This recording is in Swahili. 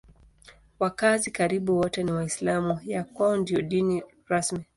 Wakazi karibu wote ni Waislamu; ya kwao ndiyo dini rasmi.